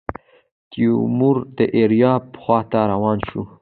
تیمور د ایریاب خواته روان شو.